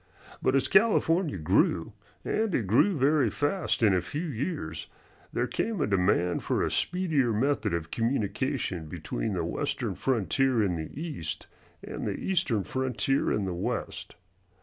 But as California grew and it grew very fast in a few years there came a demand for a speedier method of communication between the Western frontier in the East and the Eastern frontier in the West.